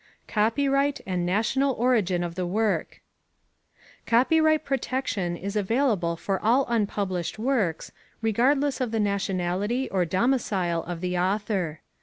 COPYRIGHT AND NATIONAL ORIGIN OF THE WORK Copyright protection is available for all unpublished works, regardless of the nationality or domicile of the author.